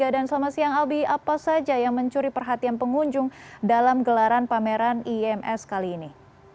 dan selamat siang albi apa saja yang mencuri perhatian pengunjung dalam gelaran pameran iems kali ini